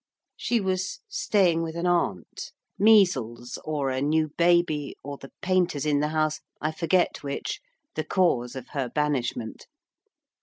She was staying with an aunt measles or a new baby, or the painters in the house, I forget which, the cause of her banishment.